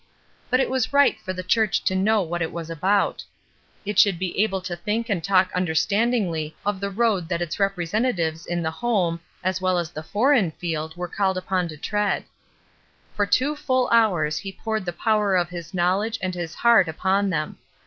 But it was right for the church to know what it was about; it should be able to think and 380 ESTER RIED'S NAMESAKE talk understandingly of the road that its repre sentatives in the home, as well as the foreign field were called upon to tread. For two full hours he poured the power of his knowledge and his heart upon them.